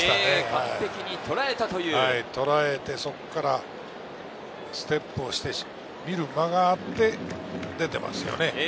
完璧にとらえて、そこからステップをして、見る間があって出ていますね。